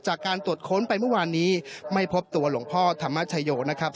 จากการตรวจค้นไปเมื่อวานนี้ไม่พบตัวหลวงพ่อธรรมชโยนะครับ